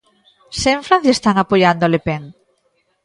Se en Francia están apoiando a Le Pen!